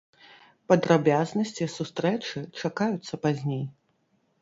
Падрабязнасці сустрэчы чакаюцца пазней.